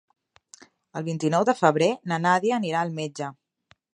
El vint-i-nou de febrer na Nàdia anirà al metge.